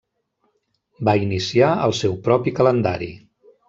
Va iniciar el seu propi calendari.